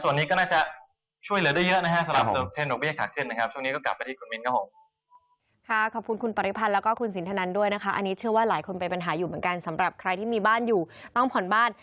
ส่วนนี้ก็น่าจะช่วยเหลือได้เยอะนะครับสำหรับตรกเบี้ยขาขึ้นนะครับ